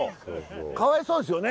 かわいそうですよね。